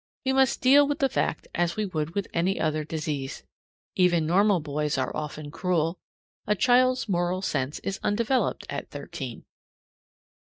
We must deal with the fact as we would with any other disease. Even normal boys are often cruel. A child's moral sense is undeveloped at thirteen.